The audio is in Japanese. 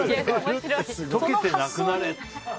溶けてなくなれ！